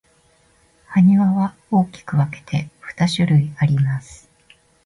埴輪は大きく分けて二種類あります。